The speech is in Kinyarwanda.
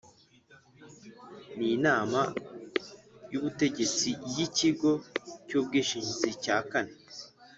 n inama y ubutegetsi y ikigo cy ubwishingizi cya kane